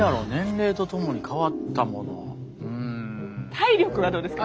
体力はどうですか？